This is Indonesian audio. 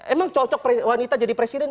emang cocok wanita jadi presiden